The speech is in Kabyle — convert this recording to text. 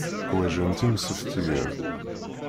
Ḥwaǧent imseftiyen.